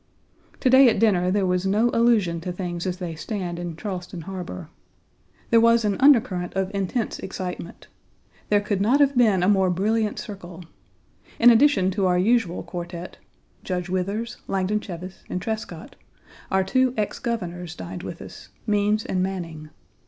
To day at dinner there was no allusion to things as they stand in Charleston Harbor. There was an undercurrent of intense excitement. There could not have been a more brilliant circle. In addition to our usual quartette (Judge Withers, Langdon Cheves, and Trescott), our two ex Governors dined with us, Means and Manning.